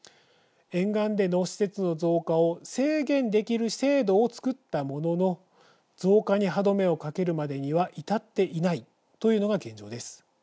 沿岸での施設の増加を制限できる制度をつくったものの増加に歯止めをかけるまでには至っていないというのが現状です。